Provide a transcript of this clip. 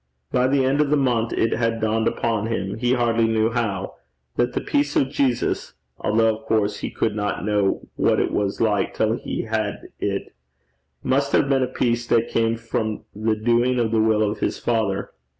By the end of the month it had dawned upon him, he hardly knew how, that the peace of Jesus (although, of course, he could not know what it was like till he had it) must have been a peace that came from the doing of the will of his Father.